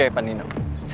tidak ada yang bisa dikira